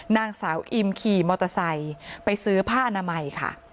นางสาวอิมขี่มอเตอร์ไซค์ไปซื้อผ้าอนามัยค่ะ